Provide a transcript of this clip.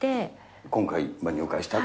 今回、入会したと。